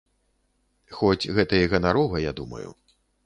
Хоць гэта і ганарова, я думаю.